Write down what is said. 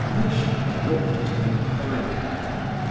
Muishkin looked at him inquiringly.